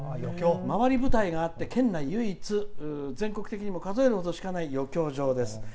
「回り舞台があって県内唯一全国的にも数えるほどしかない余興場です」。